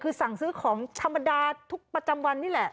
คือสั่งซื้อของธรรมดาทุกประจำวันนี่แหละ